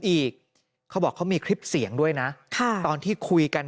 อีกเขาบอกเขามีคลิปเสียงด้วยนะค่ะตอนที่คุยกัน